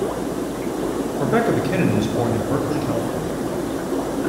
Rebecca MacKinnon was born in Berkeley, California.